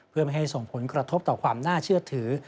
เพื่อไม่ให้ส่งผลกระทบต่อความน่าเชื่อถือ